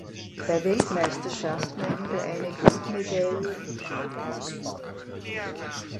Bei Weltmeisterschaften erhielt er eine Goldmedaille und eine Bronzemedaille.